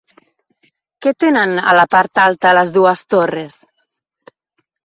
Què tenen a la part alta les dues torres?